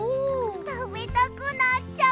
たべたくなっちゃう！